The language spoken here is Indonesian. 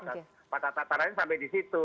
pada tatarannya sampai di situ